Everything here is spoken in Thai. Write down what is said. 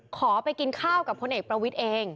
ขอไปกินข้าวกับพลเอกประวิทย์เอง